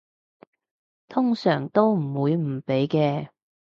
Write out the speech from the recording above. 通常都唔會唔俾嘅